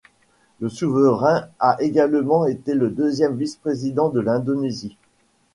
Le souverain a également été le deuxième vice-président de l'Indonésie.